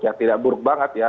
ya tidak buruk banget ya